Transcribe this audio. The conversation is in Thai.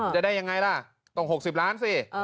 จะได้ยังไงล่ะต้อง๖๐ล้านสิ